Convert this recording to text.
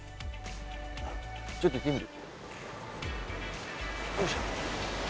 ちょっと行ってみる？